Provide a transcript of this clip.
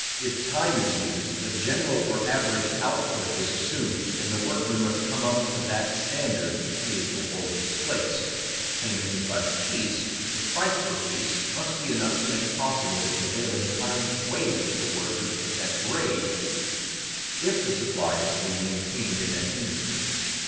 If time is used, a general or average output is assumed, and the workman must come up to that standard if he is to hold his place. If payment is by the piece, the price per piece must be enough to make possible the prevailing time wage to workers of that grade if the supply is to be maintained in that industry.